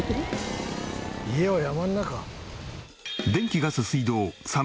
家は山の中？